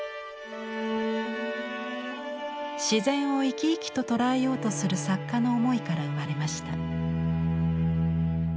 自然を生き生きと捉えようとする作家の思いから生まれました。